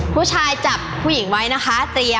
ผู้ชายจับผู้หญิงไว้นะคะ